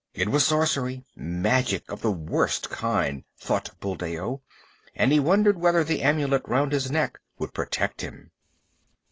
It was sorcery, magic of the worst kind, thought Buldeo, and he wondered whether the amulet round his neck would protect him.